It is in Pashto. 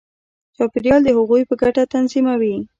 چاپېریال د هغوی په ګټه تنظیموي.